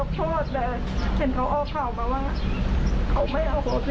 ทุกวันเราก็ไปไม่ได้